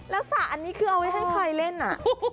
แล้วสระอันนี้คือเอาไว้ให้ใครเล่นอ่ะ